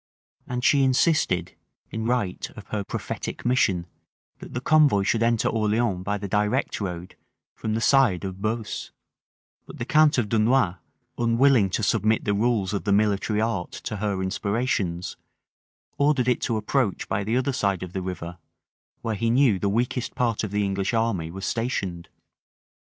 And she insisted, in right of her prophetic mission, that the convoy should enter Orleans by the direct road from the side of Beausse: but the count of Dunois, unwilling to submit the rules of the military art to her inspirations, ordered it to approach by the other side of the river, where he knew the weakest part of the English army was stationed.